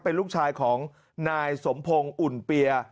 เป็นลูกชายของนายสมพงศ์อุ่นเปีย